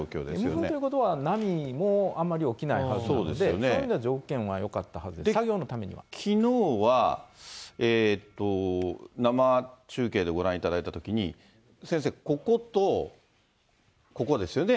無風ということは、波もあんまり起きないはずなので、そういう意味では条件はよかったはずです、作業のためには。きのうは、生中継でご覧いただいたときに、先生、こことここですよね。